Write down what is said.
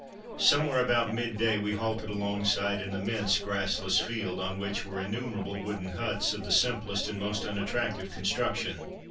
Somewhere about midday we halted alongside an immense grassless field, on which were innumerable wooden huts of the simplest and most unattractive construction.